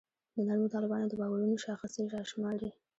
د نرمو طالبانو د باورونو شاخصې راشماري.